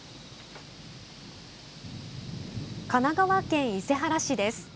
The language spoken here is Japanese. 神奈川県伊勢原市です。